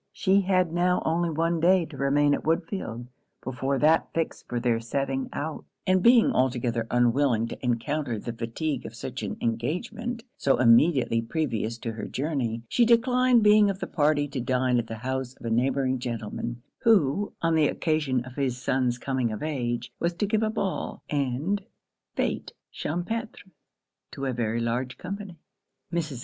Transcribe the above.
She had now only one day to remain at Woodfield, before that fixed for their setting out; and being altogether unwilling to encounter the fatigue of such an engagement so immediately previous to her journey, she declined being of the party to dine at the house of a neighbouring gentleman; who, on the occasion of his son's coming of age, was to give a ball and fête champêtre to a very large company. Mrs.